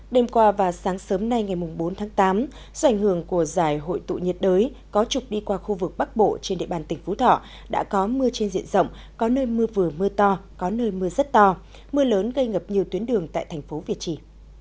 đêm qua và sáng sớm nay ngày bốn tháng tám do ảnh hưởng của giải hội tụ nhiệt đới có trục đi qua khu vực bắc bộ trên địa bàn tỉnh phú thọ đã có mưa trên diện rộng có nơi mưa vừa mưa to có nơi mưa rất to mưa lớn gây ngập nhiều tuyến đường tại thành phố việt trì